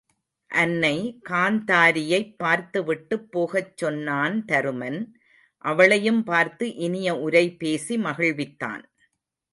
அன்னை காந்தாரியைப் பார்த்துவிட்டுப் போகச் சொன்னான் தருமன் அவளையும் பார்த்து இனிய உரை பேசி மகிழ்வித்தான்.